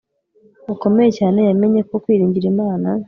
gukomeye cyane yamenye ko kwiringira Imana